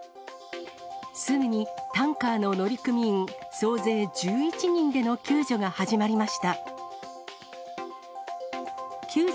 すぐにタンカーの乗組員総勢１１人での救助が始まりました。